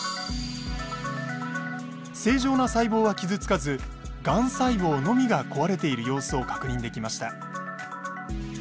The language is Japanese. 正常な細胞は傷つかずがん細胞のみが壊れている様子を確認できました。